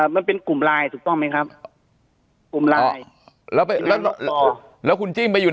มันเป็นกลุ่มไลน์ถูกต้องไหมครับกลุ่มไลน์แล้วแล้วคุณจิ้มไปอยู่